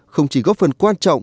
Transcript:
không chỉ góp phần quan trọng